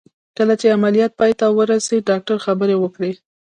کله چې عمليات پای ته ورسېد ډاکتر خبرې وکړې.